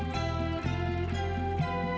di selamu sesuai